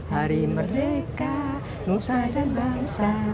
hari merdeka nusa dan bangsa